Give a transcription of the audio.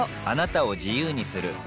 あなたを自由にする